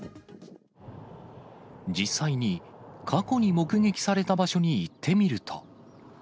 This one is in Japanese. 実際に、過去に目撃された場所に行ってみると。